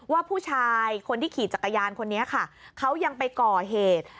ว่าผู้ชายคนที่ขี่จักรยานคนนี้ค่ะเขายังไปก่อเหตุ